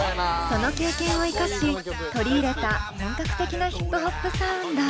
その経験を生かし取り入れた本格的なヒップホップサウンド。